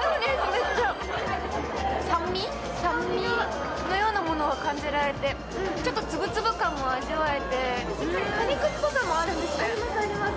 めっちゃ酸味のようなものを感じられてちょっと粒々感も味わえて果肉っぽさもあるんですね・ありますあります